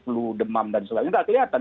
peluh demam dan sebagainya nggak kelihatan